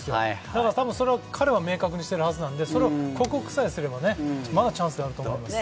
だからそれを彼は明確にしているので、それを克服さえすればまだチャンスはあると思います。